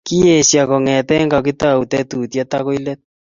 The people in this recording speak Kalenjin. kiesho kongete kakitau tetutiet akoi let